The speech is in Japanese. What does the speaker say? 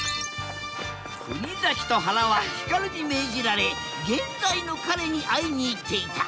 国崎とはらはヒカルに命じられ現在の彼に会いに行っていた